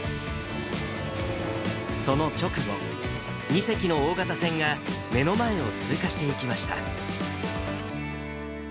その直後、２隻の大型船が目の前を通過していきました。